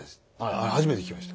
あれ初めて聞きました。